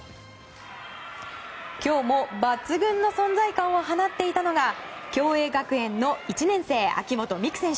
今日も抜群の存在感を放っていたのが共栄学園の１年生秋本美空選手。